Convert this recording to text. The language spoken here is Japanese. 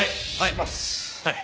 はい。